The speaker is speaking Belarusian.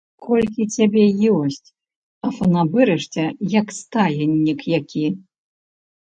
Колькі цябе ёсць, а фанабэрышся, як стаеннік які!